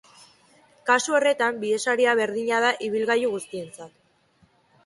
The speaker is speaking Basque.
Kasu horretan, bidesaria berdina da ibilgailu guztientzat.